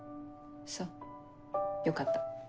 そうよかった。